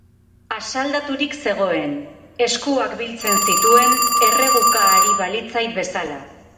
Asaldaturik zegoen, eskuak biltzen zituen, erreguka ari balitzait bezala!